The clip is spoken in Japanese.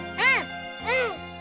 うん。